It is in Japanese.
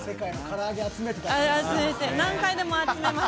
集めて、何回でも集めます。